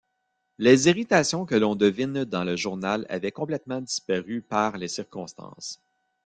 Les irritations que l’on devine dans le Journal avaient complètement disparu par les circonstances.